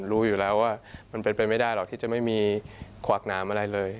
รู้อยู่แล้วว่ามันเป็นไปไม่ได้หรอกที่จะไม่มีขวากหนามอะไรเลย